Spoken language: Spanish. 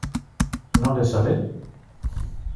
¿ no le sale?